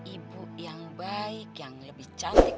ibu yang baik yang lebih cantik